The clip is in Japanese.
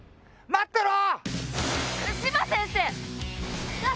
待ってろ！